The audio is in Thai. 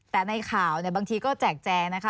แต่ในข่าวบางทีก็แจกแจงนะคะ